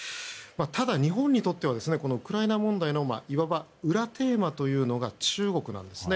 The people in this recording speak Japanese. ただ、日本にとってはウクライナ問題のいわば裏テーマとなるのが中国なんです。